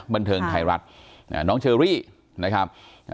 บันเทิงไทยรัฐน้องเชอรี่นะครับ